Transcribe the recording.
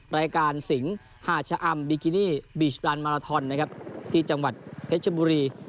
รายการสิงศ์ฮาชอำบิกินีบีชรันมาลาทอนที่จังหวัดเพชรบุรี